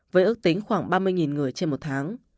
với ước tính khoảng ba mươi người trên một tháng